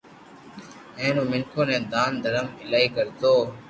ھين او منيکون ني دان درم ايلائي ڪرتو